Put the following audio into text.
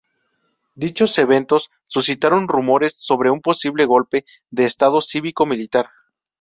Dichos eventos suscitaron rumores sobre un posible golpe de Estado cívico militar.